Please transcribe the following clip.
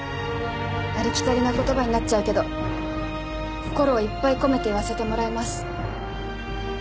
ありきたりな言葉になっちゃうけど心をいっぱい込めて言わせてもらいます。